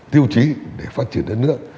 tiêu chí để phát triển đất nước